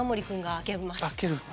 開ける。